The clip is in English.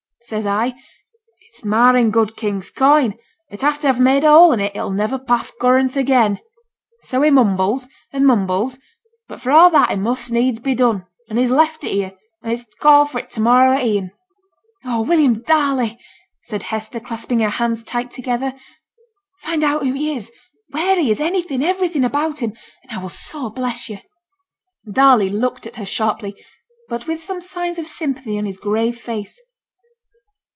Says I, "It's marring good king's coin, at after a've made a hole in't, it'll never pass current again." So he mumbles, and mumbles, but for a' that it must needs be done; and he's left it here, and is t' call for 't to morrow at e'en.' 'Oh, William Darley!' said Hester, clasping her hands tight together. 'Find out who he is, where he is anything everything about him and I will so bless yo'.' Darley looked at her sharply, but with some signs of sympathy on his grave face.